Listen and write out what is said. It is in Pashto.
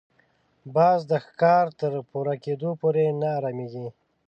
باز د ښکار تر پوره کېدو پورې نه اراميږي